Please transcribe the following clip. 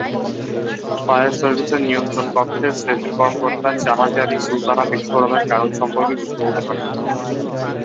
Fire সার্ভিসের নিয়ন্ত্রণকক্ষের station কর্মকর্তা শাহজাদী সুলতানা বিস্ফোরণের কারণ সম্পর্কে কিছু বলতে পারেননি।